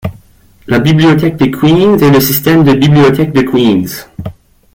La bibliothèque de Queens est le système de bibliothèques de Queens.